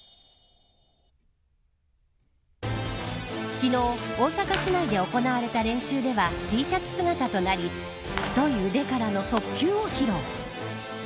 昨日、大阪市内で行われた練習ではＴシャツ姿となり太い腕からの速球を披露。